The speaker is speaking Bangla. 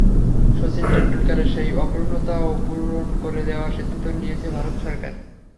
শচীন টেন্ডুলকারের সেই অপূর্ণতাও পূরণ করে দেওয়ার সিদ্ধান্ত নিয়েছে ভারত সরকার।